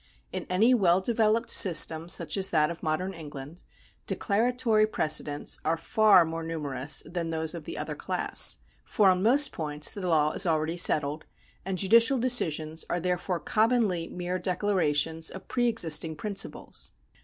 In any well developed system such as that of modern England, declaratory precedents are far more numerous than those of the other class ; for on most points the law is already settled, and judicial decisions are therefore commonly mere declara tions of pre existing principles.